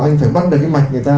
anh phải bắt được cái mạch người ta